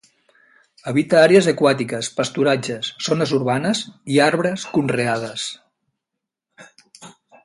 Habita àrees aquàtiques, pasturatges, zones urbanes i arbres conreades.